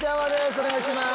お願いします。